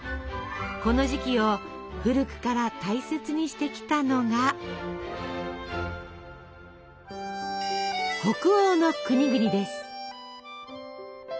この時期を古くから大切にしてきたのが北欧の国々です。